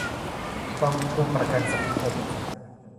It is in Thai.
กองทุนประกันสังคม